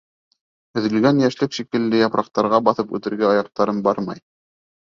Өҙөлгән йәшлек шикелле япраҡтарға баҫып үтергә аяҡтарым бармай.